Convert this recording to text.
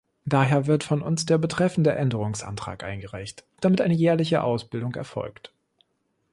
Daher wird von uns der betreffende Änderungsantrag eingereicht, damit eine jährliche Ausbildung erfolgt.